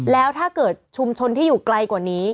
แล้วถ้าเกิดชุมชนที่อยู่ไกลกว่านี้